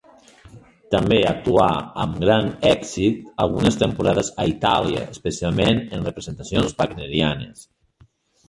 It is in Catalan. També actuà amb gran èxit algunes temporades a Itàlia, especialment en representacions wagnerianes.